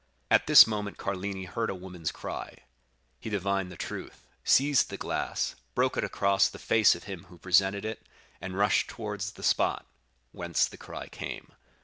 At this moment Carlini heard a woman's cry; he divined the truth, seized the glass, broke it across the face of him who presented it, and rushed towards the spot whence the cry came.